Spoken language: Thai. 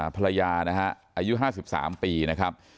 ภรรยานะฮะอายุ๕๓ปีนะครับ